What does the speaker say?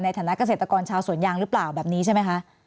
ฐานะเกษตรกรชาวสวนยางหรือเปล่าแบบนี้ใช่ไหมคะ